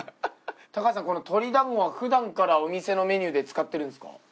高橋さんこの鶏団子はふだんからお店のメニューで使ってるんですか？